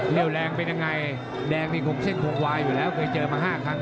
แรงเป็นยังไงแดงนี่คงเส้นคงวายอยู่แล้วเคยเจอมา๕ครั้ง